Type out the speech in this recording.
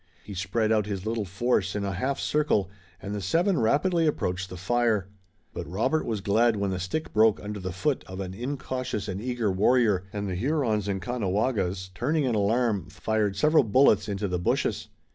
He spread out his little force in a half circle, and the seven rapidly approached the fire. But Robert was glad when a stick broke under the foot of an incautious and eager warrior, and the Hurons and Caughnawagas, turning in alarm, fired several bullets into the bushes.